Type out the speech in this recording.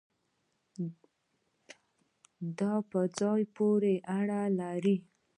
دا په ځای پورې اړه لري